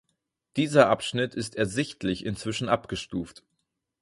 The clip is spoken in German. Dieser Abschnitt ist ersichtlich inzwischen abgestuft.